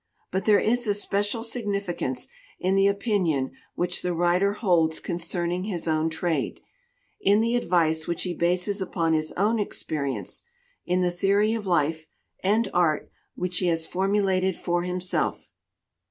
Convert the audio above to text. But there is a special significance in the opinion which the writer holds concerning his own trade, in the advice which he bases upon his own experience, in the theory of INTRODUCTION life and art which he has formulated for him self.